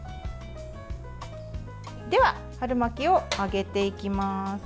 では、春巻きを揚げていきます。